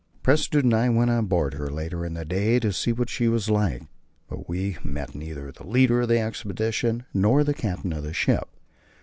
Prestrud and I went on board her later in the day, to see what she was like, but we met neither the leader of the expedition nor the captain of the ship.